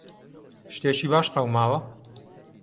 شتێکی باش قەوماوە؟